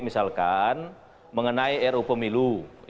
misalkan mengenai ru pemilu